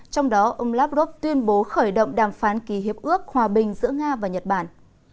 trong đó ông lavrov tuyên bố khởi động đàm phán ký hiệp ước hòa bình giữa nga và nhật bản